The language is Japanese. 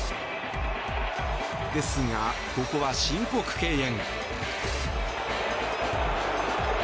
ですが、ここは申告敬遠。